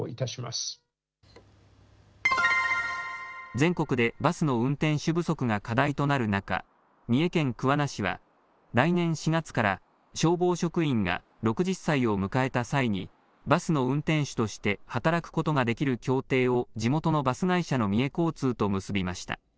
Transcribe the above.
全国でバスの運転手不足が課題となる中、三重県桑名市は来年４月から消防職員が６０歳を迎えた際にバスの運転手として働くことができる協定を地元のバス会社の三重交通と結びました。